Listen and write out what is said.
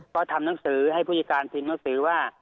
ก็ทำหนังสือให้ผู้จัดการทีมหนังสือว่า